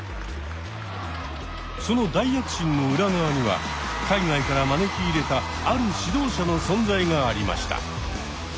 その大躍進の裏側には海外から招き入れたある指導者の存在がありました。